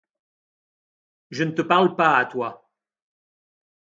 Je ne te parle pas à toi.